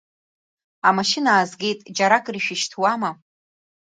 Амашьына аазгеит, џьаракыр ишәышьҭуама?